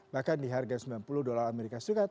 bahkan di harga sembilan puluh dolar as